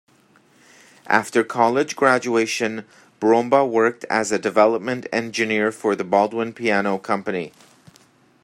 After college graduation, Brombaugh worked as a development engineer for the Baldwin Piano Company.